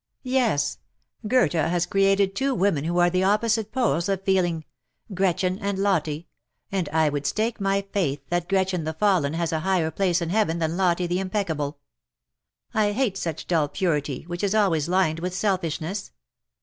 Yes ! Goethe has created two women wdio are the opposite poles of feeling — Gretchen and Lottie — and I would stake my faith that Gretchen the fallen has a higher place in heaven than Lottie the impeccable. I hate such dull purity, which is always lined with selfishness.